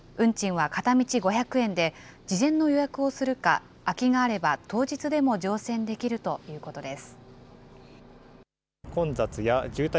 運賃は片道５００円で、事前の予約をするか、空きがあれば当日でも乗船できるということです。